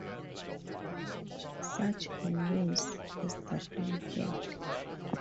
Such a nose as that man had!